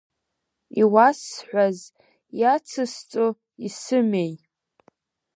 Иуасҳәаз иацысҵо исымеи…